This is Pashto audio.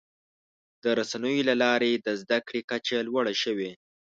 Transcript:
د رسنیو له لارې د زدهکړې کچه لوړه شوې.